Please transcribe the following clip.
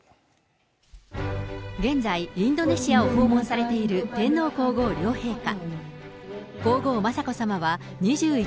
現在、インドネシアを訪問されている天皇皇后両陛下。